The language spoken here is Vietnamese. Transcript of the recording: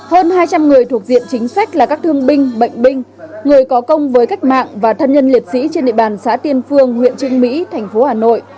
hơn hai trăm linh người thuộc diện chính sách là các thương binh bệnh binh người có công với cách mạng và thân nhân liệt sĩ trên địa bàn xã tiên phương huyện trưng mỹ thành phố hà nội